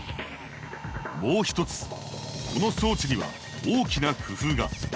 もう一つこの装置には大きな工夫が。